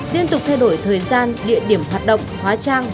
liên tục thay đổi thời gian địa điểm hoạt động hóa trang